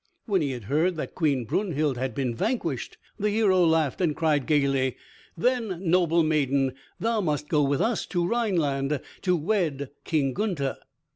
When he had heard that Queen Brunhild had been vanquished, the hero laughed, and cried gaily, "Then, noble maiden, thou must go with us to Rhineland to wed King Gunther."